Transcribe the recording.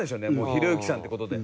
ひろゆきさんって事で。